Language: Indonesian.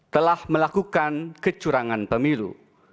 telah melakukan kecurangan pemilu